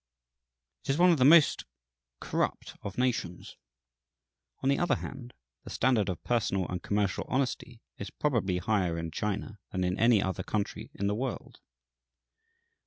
It is one of the most corrupt of nations; on the other hand, the standard of personal and commercial honesty is probably higher in China than in any other country in the world.